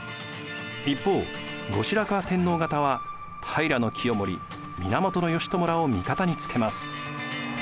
一方後白河天皇方は平清盛源義朝らを味方につけます。